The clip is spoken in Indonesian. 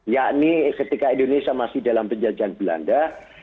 yakni ketika indonesia masih dalam penjajahan belanda